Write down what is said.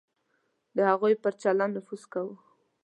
د هغوی پر چلند نفوذ کوو.